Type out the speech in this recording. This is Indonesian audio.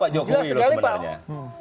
jelas sekali pak